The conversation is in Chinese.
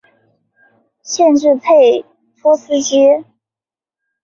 县治佩托斯基。